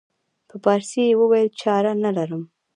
په پارسي یې وویل چاره نه لرم.